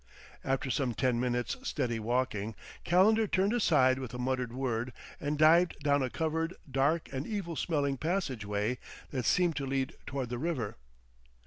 After some ten minutes' steady walking, Calendar turned aside with a muttered word, and dived down a covered, dark and evil smelling passageway that seemed to lead toward the river.